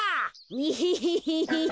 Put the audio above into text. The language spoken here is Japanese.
エヘヘヘヘ。